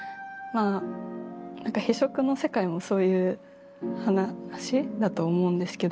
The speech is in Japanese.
「非色」の世界もそういう話だと思うんですけど。